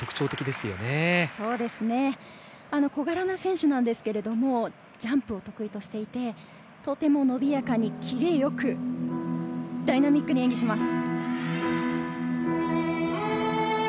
小柄な選手なのですが、ジャンプを得意としていて、伸びやかにキレよくダイナミックに演技します。